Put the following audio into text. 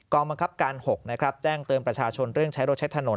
กองบังคับการ๖แจ้งเติมประชาชนเรื่องใช้รถใช้ถนน